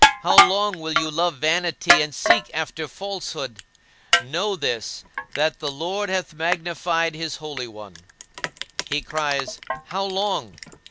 How long will you love vanity, and seek after falsehood? Know this, that the Lord hath magnified his Holy One." He cries, "How long?"